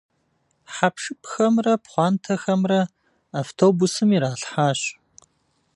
Хьэпшыпхэмрэ пхъуантэхэмрэ автобусым иралъхьащ.